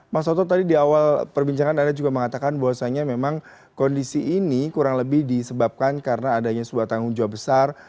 mas toto tadi di awal perbincangan anda juga mengatakan bahwasannya memang kondisi ini kurang lebih disebabkan karena adanya sebuah tanggung jawab besar